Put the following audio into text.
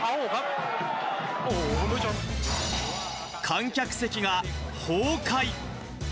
観客席が崩壊。